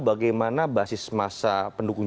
bagaimana basis masa pendukung